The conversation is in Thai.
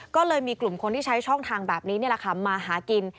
ก็เลยมีกลุ่มคนที่ใช้ช่องทางแบบนี้มาหากิน